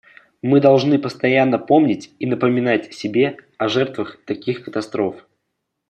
Мы должны постоянно помнить и напоминать себе о жертвах таких катастроф.